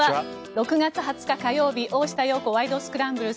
６月２０日、火曜日「大下容子ワイド！スクランブル」。